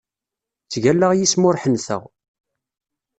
Ttgallaɣ yis-m ur ḥenteɣ.